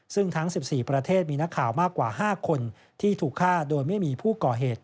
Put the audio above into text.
ซึ่งทั้ง๑๔ประเทศมีนักข่าวมากกว่า๕คนที่ถูกฆ่าโดยไม่มีผู้ก่อเหตุ